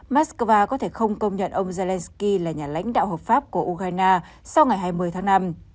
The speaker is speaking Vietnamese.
moscow có thể không công nhận ông zelensky là nhà lãnh đạo hợp pháp của ukraine sau ngày hai mươi tháng năm